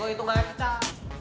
gue itu gak kecap